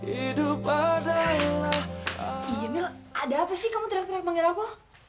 iya mil ada apa sih kamu teriak teriak panggil aku